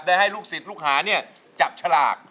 ให้ลูกศิษย์ลูกหาเนี่ยจับฉลาก